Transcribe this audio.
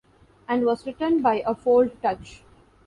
and was written by a fold touch.